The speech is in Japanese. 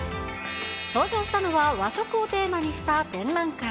登場したのは、和食をテーマにした展覧会。